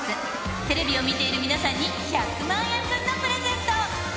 テレビを見ている皆さんに１００万円分のプレゼント。